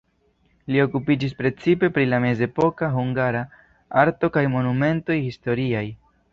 Li okupiĝis precipe pri la mezepoka hungara arto kaj monumentoj historiaj.